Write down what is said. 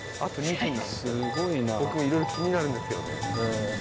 僕もいろいろ気になるんですけどね。